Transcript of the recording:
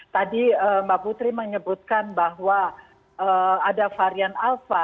tadi mbak putri menyebutkan bahwa ada varian alpha